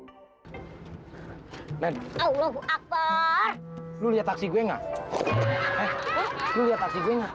men terus lu lihat pasti gue nggak